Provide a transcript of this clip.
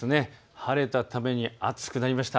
晴れたために暑くなりました。